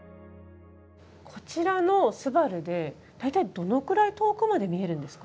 こちらのすばるで大体どのくらい遠くまで見えるんですか？